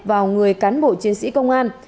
vào người cán bộ chiến sĩ công an